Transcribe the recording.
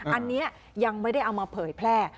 อันนี้ยังไม่ได้เอามาเผยแพร่